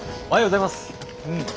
おはようございます。